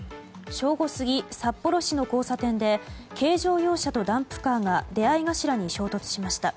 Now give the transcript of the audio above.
正午過ぎ札幌市の交差点で軽乗用車とダンプカーが出合い頭に衝突しました。